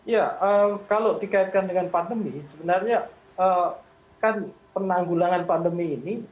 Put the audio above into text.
ya kalau dikaitkan dengan pandemi sebenarnya kan penanggulangan pandemi ini